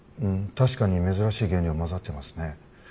確かに珍しい原料混ざってますね。